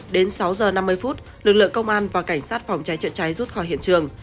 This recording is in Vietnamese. đến sáu giờ năm mươi phút lực lượng công an và cảnh sát phòng cháy chữa cháy rút khỏi hiện trường